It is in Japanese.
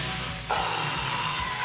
あ！